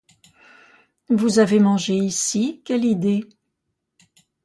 Vous avez mangé ici, quelle idée!